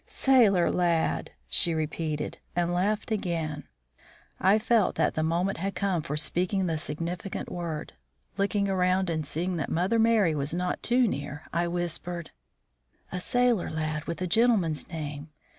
"Sailor lad!" she repeated, and laughed again. I felt that the moment had come for speaking the significant word. Looking around and seeing that Mother Merry was not too near, I whispered: "A sailor lad with a gentleman's name.